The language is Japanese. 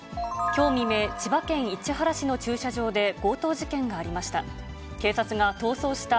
きょう未明、千葉県市原市の駐車場で、強盗事件がありました。